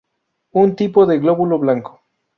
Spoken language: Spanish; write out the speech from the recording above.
Un tipo de glóbulo blanco.